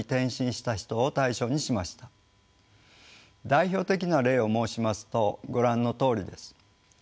代表的な例を申しますとご覧のとおりです。